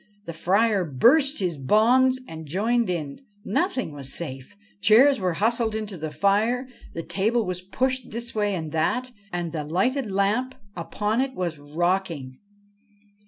The Friar burst his bonds and joined in. Nothing was safe : chairs were hustled into the fire ; the table was pushed this way and that, and the lighted lamp upon it was rocking.